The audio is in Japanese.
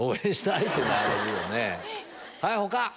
はい他！